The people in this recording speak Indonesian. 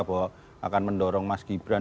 bahwa akan mendorong mas gibran